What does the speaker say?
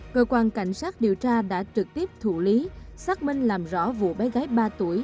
cơ quan cảnh sát điều tra đã trực tiếp thủ lý xác minh làm rõ vụ bé gái ba tuổi